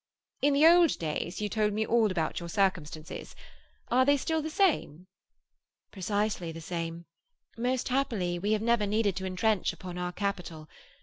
"In the old days you told me all about your circumstances. Are they still the same?" "Precisely the same. Most happily, we have never needed to entrench upon our capital.